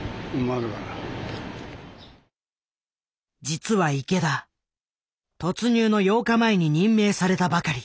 実は池田突入の８日前に任命されたばかり。